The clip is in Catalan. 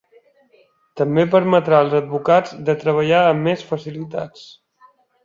També permetrà als advocats de treballar amb més facilitats.